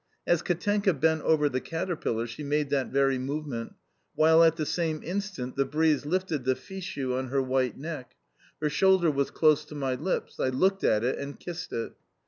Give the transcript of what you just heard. As Katenka bent over the caterpillar she made that very movement, while at the same instant the breeze lifted the fichu on her white neck. Her shoulder was close to my lips, I looked at it and kissed it.